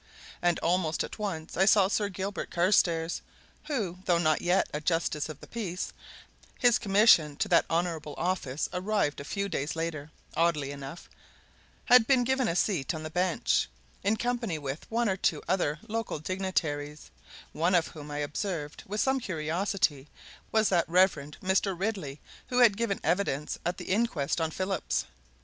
And almost at once I saw Sir Gilbert Carstairs, who, though not yet a justice of the peace his commission to that honourable office arrived a few days later, oddly enough, had been given a seat on the bench, in company with one or two other local dignitaries, one of whom, I observed with some curiosity, was that Reverend Mr. Ridley who had given evidence at the inquest on Phillips.